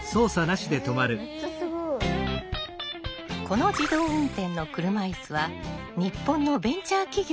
この自動運転の車いすは日本のベンチャー企業が開発。